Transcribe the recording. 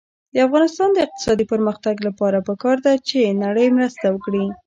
د افغانستان د اقتصادي پرمختګ لپاره پکار ده چې نړۍ مرسته وکړي.